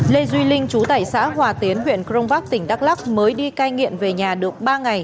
lê duy linh chú tại xã hòa tiến huyện crong bắc tỉnh đắk lắc mới đi cai nghiện về nhà được ba ngày